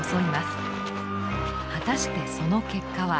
果たしてその結果は？